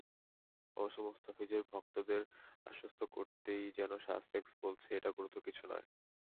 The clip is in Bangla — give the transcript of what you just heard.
অবশ্য মুস্তাফিজের ভক্তদের আশ্বস্ত করতেই যেন সাসেক্স বলেছে, এটা গুরুতর কিছু নয়।